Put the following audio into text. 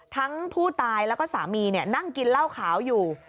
ทั้งผู้ตายแล้วก็สามีนั่งกินเหล้าขาวอยู่